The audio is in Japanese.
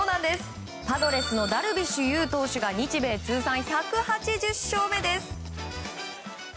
パドレスのダルビッシュ有投手が日米通算１８０勝目です。